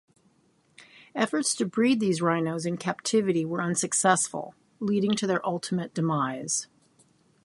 Efforts to breed these rhinos in captivity were unsuccessful, leading to their ultimate demise.